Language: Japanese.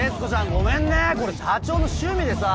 ごめんねこれ社長の趣味でさぁ。